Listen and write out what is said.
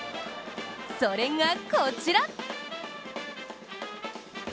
それがこちら！